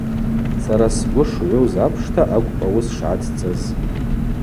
Сара сгвы шгӏвуз апшта акӏвпӏ ауыс шгӏацӏцӏыз.